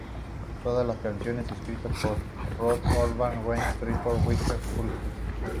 Todas las canciones escritas por Rob Halford, Glenn Tipton y Richie Faulkner.